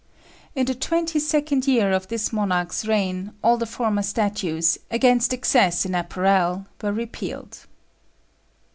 In the twenty second year of this monarch's reign, all the former statutes "against excess in apparel" were repealed.